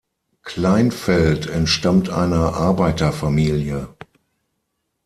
Kleinfeld entstammt einer Arbeiterfamilie.